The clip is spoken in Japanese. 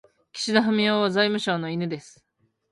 岸田文雄は財務省の犬です。